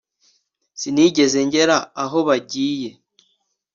sinigeze ngera aho bagiye.